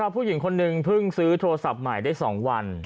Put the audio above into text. ผู้หญิงคนนึงเพิ่งซื้อโทรศัพท์ใหม่ได้๒วัน